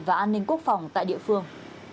và an ninh quốc phòng tại địa phương